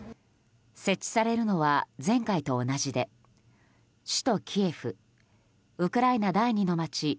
設置されるのは前回と同じで首都キエフウクライナ第２の街